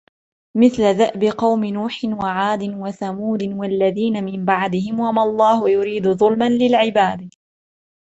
مثل دأب قوم نوح وعاد وثمود والذين من بعدهم وما الله يريد ظلما للعباد